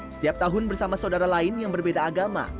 setiap tahun bersama saudara lain yang berbeda agama